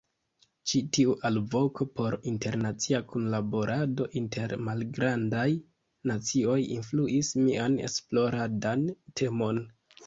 Ĉi tiu alvoko por internacia kunlaborado inter malgrandaj nacioj influis mian esploradan temon.